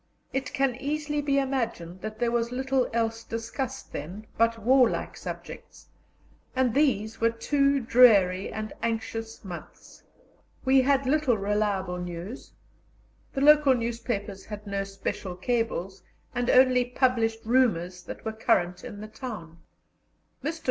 It can easily be imagined that there was little else discussed then but warlike subjects, and these were two dreary and anxious months. We had little reliable news; the local newspapers had no special cables, and only published rumours that were current in the town. Mr.